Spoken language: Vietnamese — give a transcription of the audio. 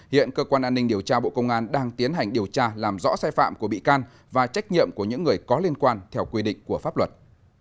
hiện cơ quan an ninh điều tra bộ công an đang tiến hành điều tra làm rõ sai phạm của bị can và trách nhiệm của những người có liên quan theo quy định của pháp luật